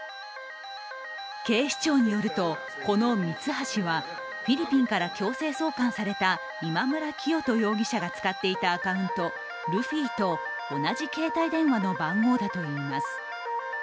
警視庁によると、このミツハシはフィリピンから強制送還された今村磨人容疑者が使っていたアカウントルフィと同じ携帯電話の番号だといいます。